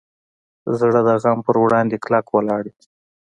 زړه د غم پر وړاندې کلک ولاړ وي.